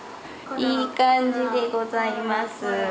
いい感じでございます！